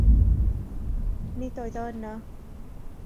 Nid oedd o yno.